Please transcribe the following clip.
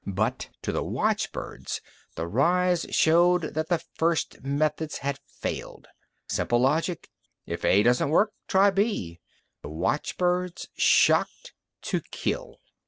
But to the watchbirds, the rise showed that the first methods had failed. Simple logic. If A doesn't work, try B. The watchbirds shocked to kill.